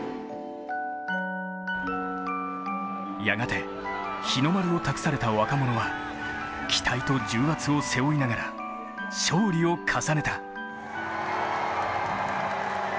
やがて日の丸を託された若者は、期待と重圧を背負いながら、勝利を重ねた。